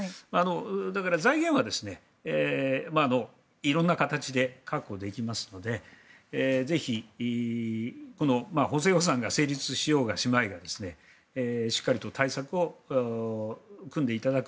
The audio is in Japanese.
だから財源は色んな形で確保できますのでこの補正予算が成立しようがしまいがしっかりと対策を組んでいただく。